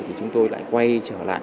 thì chúng tôi lại quay trở lại